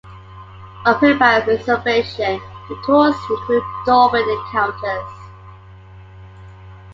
Open by reservation, the tours include dolphin encounters.